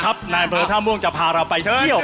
ครับนายอำเภอท่าม่วงจะพาเราไปเที่ยวไปดูครับ